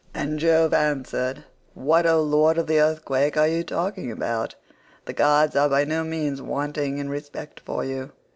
And Jove answered, "What, O Lord of the Earthquake, are you talking about? The gods are by no means wanting in respect for you.